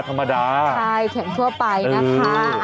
ใช่เข็มทั่วไปนะคะ